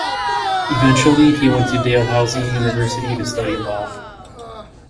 Eventually he went to Dalhousie University to study law.